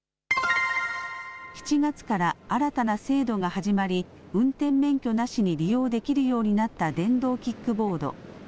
７月から新たな制度が始まり運転免許なしに利用できるようになった電動キックボード。